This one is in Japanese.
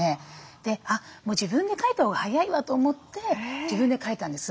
で自分で描いたほうが早いわと思って自分で描いたんです。